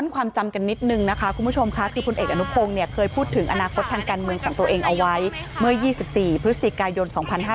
คุณผู้ชมค่ะคือพลเอกอนุโพงเนี่ยเคยพูดถึงอนาคตทางการเมืองของตัวเองเอาไว้เมื่อ๒๔พฤศจิกายน๒๕๖๕